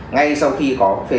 ngay sau khi có